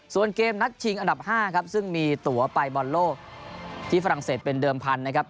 ส่วนเกมนัดชิงอันดับ๕ครับซึ่งมีตัวไปบอลโลกที่ฝรั่งเศสเป็นเดิมพันธุ์นะครับ